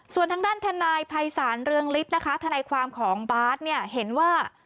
ส่วนทางด้านทนายภัยสารเรืองลิฟต์นะคะทนายความของบาทเห็นว่า